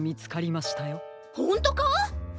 ほんとか？